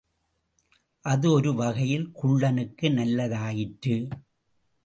அது ஒரு வகையில் குள்ளனுக்கு நல்லதாயிற்று.